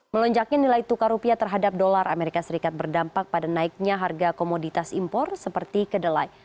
melonjaknya nilai tukar rupiah terhadap dolar amerika serikat berdampak pada naiknya harga komoditas impor seperti kedelai